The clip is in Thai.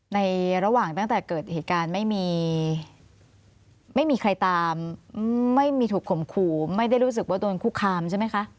ในระหว่างตั้งแต่เกิดเหตุการณ์ไม่มีไม่มีใครตามไม่มีถูกข่มขู่ไม่ได้รู้สึกว่าโดนคุกคามใช่ไหมคะ